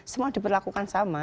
semua diperlakukan sama